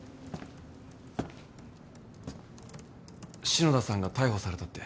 ・篠田さんが逮捕されたって。